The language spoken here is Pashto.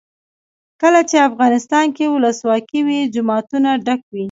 کله چې افغانستان کې ولسواکي وي جوماتونه ډک وي.